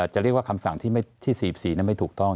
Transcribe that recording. จะเรียกว่าคำสั่งที่๔๔ไม่ถูกต้อง